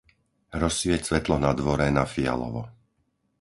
Rozsvieť svetlo na dvore na fialovo.